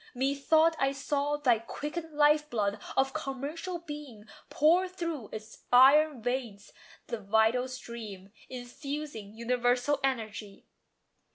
Methought I saw Thy quickened life blood of commercial being Pour through its iron veins the vital stream, Infusing universal energy.